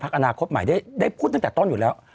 อนาคตใหม่ได้พูดตั้งแต่ต้นอยู่แล้ว